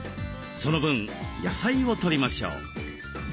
その分野菜をとりましょう。